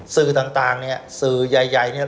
สื่อต่างเนี่ยสื่อใหญ่เนี่ย